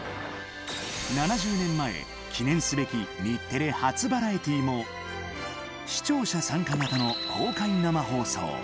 ７０年前、記念すべき日テレ初バラエティーも視聴者参加型の公開生放送。